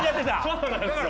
そうなんですよ。